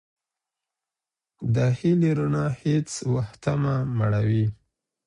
د هیلې رڼا هیڅ وختمه مړوئ.